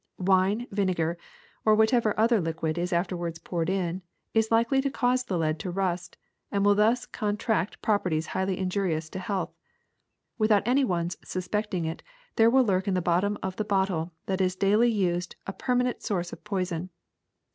Wine, vinegar, or whatever other liquid is afterward poured in, is likely to cause the lead to rust, and will thus contract properties highly injuri ous to health. Without any one 's suspecting it there will lurk in the bottom of the bottle that is daily used a permanent source of poison.